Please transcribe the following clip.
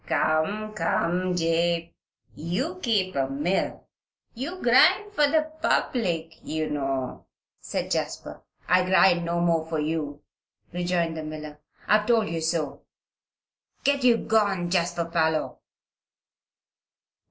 "Come, come, Jabe! you keep a mill. You grind for the public, you know," said Jasper. "I grind no more for you," rejoined the miller. "I have told you so. Get you gone, Jasper Parloe."